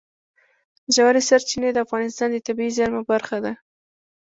ژورې سرچینې د افغانستان د طبیعي زیرمو برخه ده.